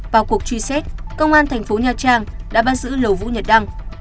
vào cuộc truy xét công an thành phố nha trang đã bắt giữ lầu vũ nhật đăng